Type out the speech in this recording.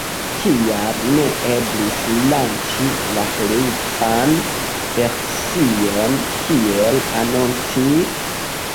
Kial ne eblis lanĉi la retan version kiel anoncite?